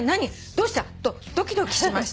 どうした！？とドキドキしました」